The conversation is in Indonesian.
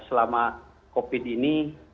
selama covid ini